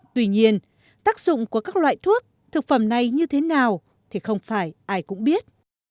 tuy nhiên tác dụng của các loại thuốc thực phẩm này như thế nào thì không phải ai cũng biết